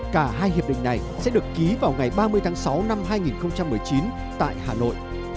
cả hai hiệp định này sẽ được ký vào ngày ba mươi tháng sáu năm hai nghìn một mươi chín tại hà nội